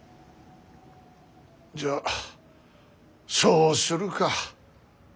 じゃあそうするか。